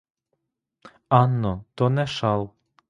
Анно, то не шал!